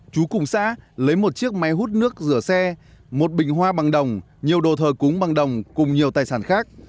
chú cùng xã lấy một chiếc máy hút nước rửa xe một bình hoa bằng đồng nhiều đồ thờ cúng bằng đồng cùng nhiều tài sản khác